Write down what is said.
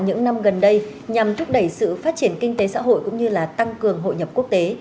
những năm gần đây nhằm thúc đẩy sự phát triển kinh tế xã hội cũng như là tăng cường hội nhập quốc tế